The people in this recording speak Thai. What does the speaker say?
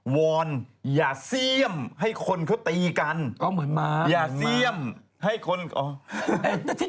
วอนอย่าเสี้ยมให้คนเขาตีกัน